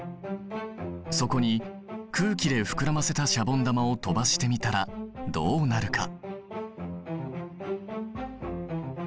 そこに空気で膨らませたシャボン玉を飛ばしてみたらどうなるか？